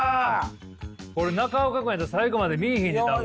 これ中岡君やったら最後まで見いひんで多分。